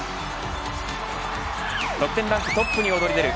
得点ランクトップに躍り出る